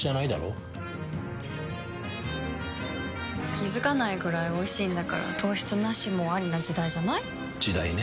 気付かないくらいおいしいんだから糖質ナシもアリな時代じゃない？時代ね。